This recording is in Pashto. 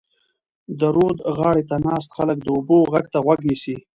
د رود غاړې ته ناست خلک د اوبو غږ ته غوږ نیسي.